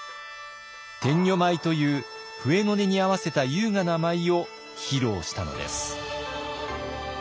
天女舞という笛の音に合わせた優雅な舞を披露したのです。